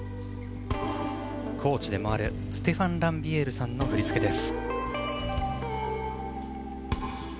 コーチでもあるステファン・ランビエールさんの振り付けです。